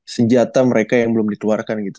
senjata mereka yang belum dikeluarkan gitu